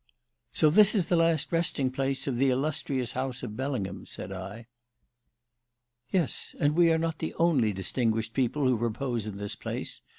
"So this is the last resting place of the illustrious house of Bellingham," said I. "Yes; and we are not the only distinguished people who repose in this place.